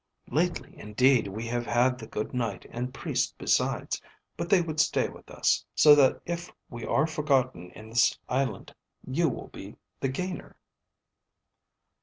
Lately, indeed, we have had the good Knight and Priest besides. But they would stay with us; so that if we are forgotten in this island, you will be the gainer."